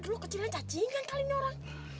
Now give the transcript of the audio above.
dulu kecilnya cacingan kali ini orang